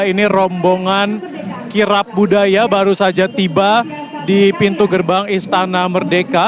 ini rombongan kirap budaya baru saja tiba di pintu gerbang istana merdeka